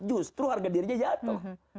justru harga dirinya jatuh